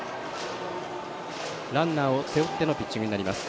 ランナーを背負ってのピッチングになります。